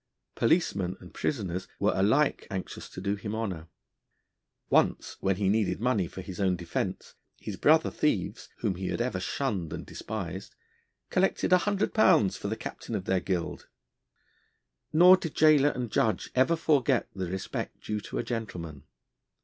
Policemen and prisoners were alike anxious to do him honour. Once when he needed money for his own defence, his brother thieves, whom he had ever shunned and despised, collected £100 for the captain of their guild. Nor did gaoler and judge ever forget the respect due to a gentleman.